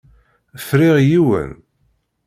Friɣ yiwen.